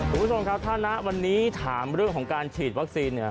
คุณผู้ชมครับถ้าณวันนี้ถามเรื่องของการฉีดวัคซีนเนี่ย